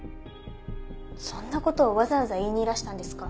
そんな事をわざわざ言いにいらしたんですか？